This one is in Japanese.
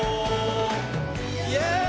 イエーイ！